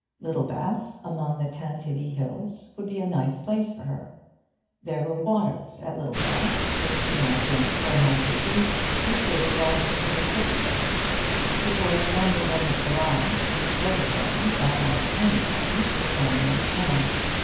Littlebath, among the Tantivy hills, would be the very place for her. There were waters at Littlebath which she might drink for a month or two with great advantage to her system. It was then the end of July, and everybody that was anybody was going out of town.